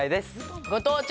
ご当地